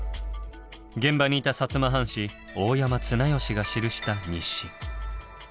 現場にいた摩藩士大山綱良が記した日誌。